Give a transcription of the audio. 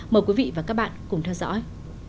mời quý vị và các bạn cùng theo dõi